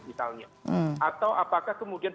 misalnya atau apakah kemudian